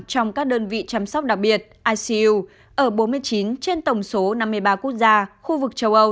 trong các đơn vị chăm sóc đặc biệt icu ở bốn mươi chín trên tổng số năm mươi ba quốc gia khu vực châu âu